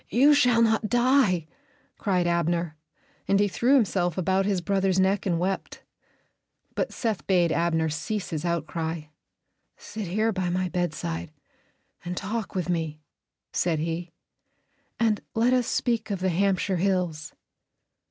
"You shall not die!" cried Abner, and he threw himself about his brother's neck and wept. But Seth bade Abner cease his outcry. "Sit here by my bedside and talk with me," said he, "and let us speak of the Hampshire hills."